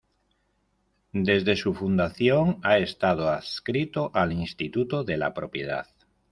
Desde su fundación ha estado adscrito al Instituto de la Propiedad.